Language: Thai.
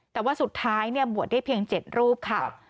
แต่ว่าสุดท้ายบวชได้เพียง๗รูปค่ะ